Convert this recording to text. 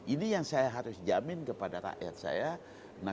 ini yang saya harus jamin kepada rakyat saya